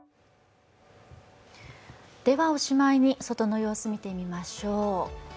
ではおしまいに外の様子見てみましょう。